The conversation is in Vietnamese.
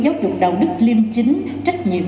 giáo dục đạo đức liêm chính trách nhiệm